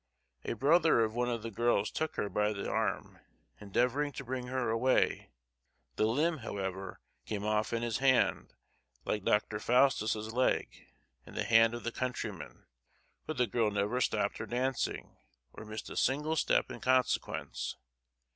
A brother of one of the girls took her by the arm, endeavouring to bring her away; the limb, however, came off in his hand, like Dr. Faustus's leg, in the hand of the countryman, but the girl never stopped her dancing, or missed a single step in consequence.